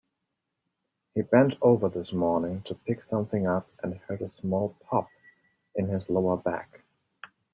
He bent over this morning to pick something up and heard a small pop in his lower back.